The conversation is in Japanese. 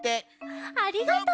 ありがとう。